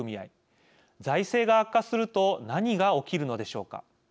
財政が悪化すると何が起きるのでしょうか。